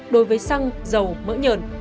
đối với xăng dầu mỡ nhờn